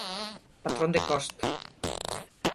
Patrón de costa.